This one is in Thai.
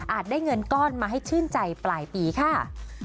ได้เงินก้อนมาให้ชื่นใจปลายปีค่ะ